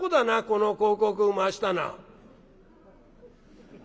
この広告を回したのは」。